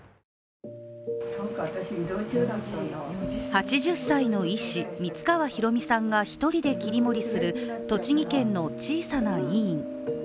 ８０歳の医師、満川博美さんが１人で切り盛りする栃木県の小さな医院。